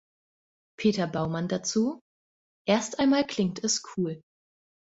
Peter Baumann dazu: „Erst einmal klingt es cool.